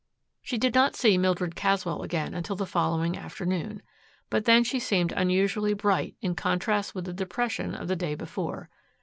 She did not see Mildred Caswell again until the following afternoon. But then she seemed unusually bright in contrast with the depression of the day before.